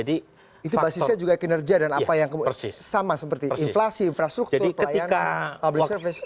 itu basisnya juga kinerja dan apa yang sama seperti inflasi infrastruktur pelayanan public service